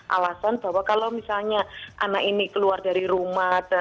alasan bahwa kalau misalnya anak ini keluar dari rumah